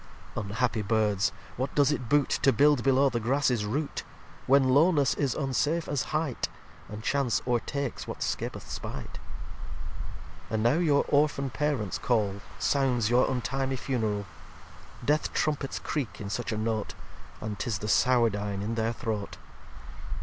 lii Unhappy Birds! what does it boot To build below the Grasses Root; When Lowness is unsafe as Hight, And Chance o'retakes what scapeth spight? And now your Orphan Parents Call Sounds your untimely Funeral. Death Trumpets creak in such a Note, And 'tis the Sourdine in their Throat.